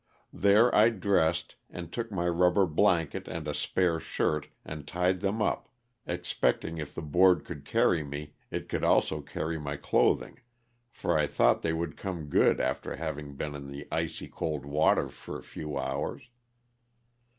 There I dressed, and took my rubber blanket and a spare shirt and tied them up, expecting if the board could carry me it also could carry my clothing, for I thought they would come good after having been in the icy cold water for a few hours.